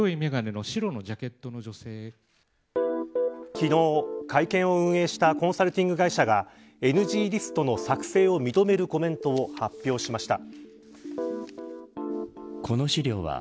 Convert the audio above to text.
昨日、会見を運営したコンサルティング会社がＮＧリストの作成を認めるコメントを発表しました。